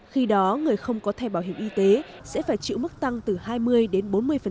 khi đó người không có thẻ bảo hiểm y tế sẽ phải chịu mức tăng từ hai mươi đến bốn mươi